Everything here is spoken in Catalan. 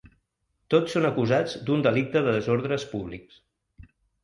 Tots són acusats d’un delicte de desordres públics.